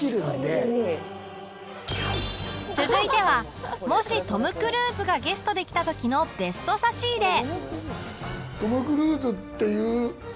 続いてはもしトム・クルーズがゲストで来た時のベスト差し入れ